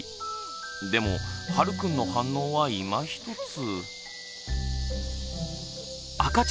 でもはるくんの反応はいまひとつ。